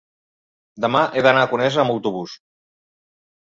demà he d'anar a Conesa amb autobús.